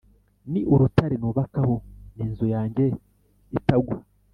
ni urutare nubakaho n’inzu yanjye itagwa